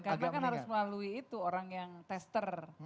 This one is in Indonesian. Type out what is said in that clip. karena kan harus melalui itu orang yang tester